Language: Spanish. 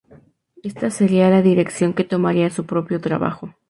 Esta sería la dirección que tomaría su propio trabajo.